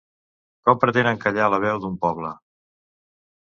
Com pretenen callar la veu d'un poble?